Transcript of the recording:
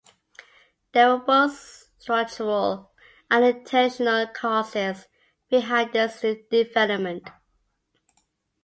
There were both structural and intentional causes behind this development.